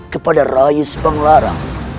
kepada raih sibanglarang